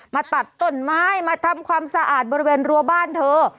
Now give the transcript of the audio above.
ตัดต้นไม้มาทำความสะอาดบริเวณรัวบ้านเธอ